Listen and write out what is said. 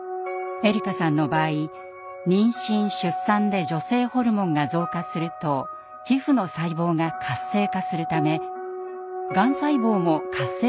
えりかさんの場合妊娠・出産で女性ホルモンが増加すると皮膚の細胞が活性化するためがん細胞も活性化するおそれがあるというのです。